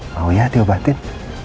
mau ya diobatin